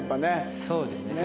そうですね。